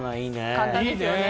簡単ですよね。